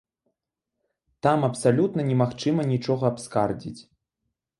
Там абсалютна немагчыма нічога абскардзіць.